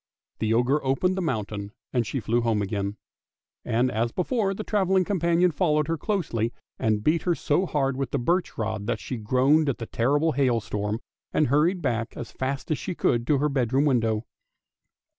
The ogre opened the mountain, and she flew home again; and, as before, the travelling companion followed her closely and beat her so hard with the birch rod that she groaned at the terrible hailstorm and hurried back as fast as she could to her bedroom window.